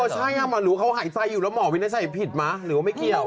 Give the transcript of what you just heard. อ๋อใช่หรือเขาหายใจอยู่แล้วหมอวินาจัยผิดมาหรือไม่เกี่ยว